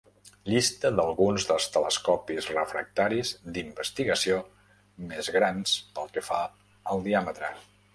Llista d'alguns dels telescopis refractaris d'investigació més grans pel que fa al diàmetre.